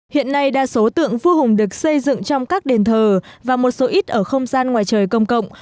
hiện nay đa số tượng vua hùng được xây dựng trong các đền thờ và một số ít ở không gian ngoài trời công cộng